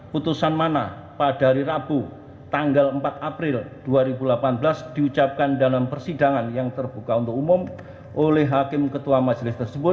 putusan mana pada hari rabu tanggal empat april dua ribu delapan belas diucapkan dalam persidangan yang terbuka untuk umum oleh hakim ketua majelis tersebut